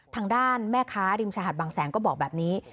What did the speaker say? ทางด้านแม่ค้าริมชายหาดบางแสนก็บอกแบบนี้